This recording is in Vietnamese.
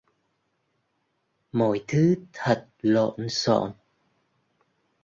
mọi thứ thật lộn xộn